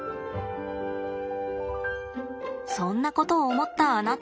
そんなことを思ったあなた。